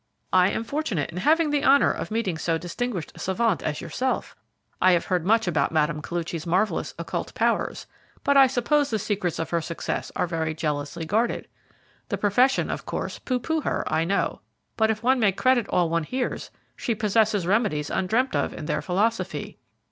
I am fortunate in having the honour of meeting so distinguished a savant as yourself. I have heard much about Mme. Koluchy's marvellous occult powers, but I suppose the secrets of her success are very jealously guarded. The profession, of course, pooh pooh her, I know, but if one may credit all one hears, she possesses remedies undreamt of in their philosophy."